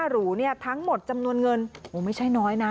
หรูเนี่ยทั้งหมดจำนวนเงินโอ้ไม่ใช่น้อยนะ